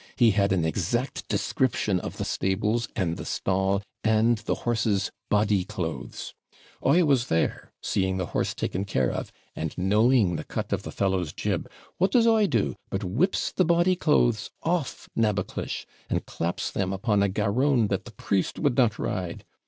He had an exact description of the stables, and the stall, and the horse's body clothes. 'I was there, seeing the horse taken care of; and, knowing the cut of the fellow's jib, what does I do, but whips the body clothes off Naboclish, and claps them upon a garrone that the priest would not ride.